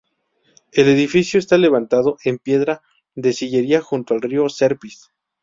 El edificio está levantado en piedra de sillería junto al río Serpis.